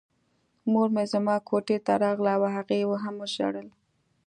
مور مې زما کوټې ته راغله او هغې هم ژړل